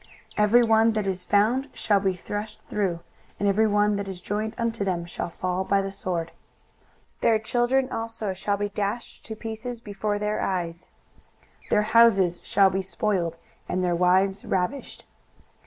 23:013:015 Every one that is found shall be thrust through; and every one that is joined unto them shall fall by the sword. 23:013:016 Their children also shall be dashed to pieces before their eyes; their houses shall be spoiled, and their wives ravished.